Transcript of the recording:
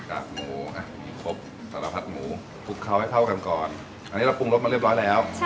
หมูอ่ะมีครบสารพัดหมูคลุกเคล้าให้เข้ากันก่อนอันนี้เราปรุงรสมาเรียบร้อยแล้ว